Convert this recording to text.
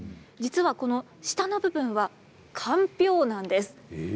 実は、この下の部分はかんぴょうなんです。